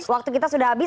waktu kita sudah habis